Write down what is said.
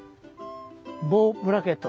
ボウブラケット。